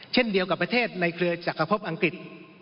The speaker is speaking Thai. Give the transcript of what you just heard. เช่นเดียวกับประเทศในเครือจักรพบอังกฤษ